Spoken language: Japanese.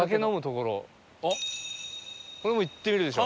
これ行ってみるでしょ。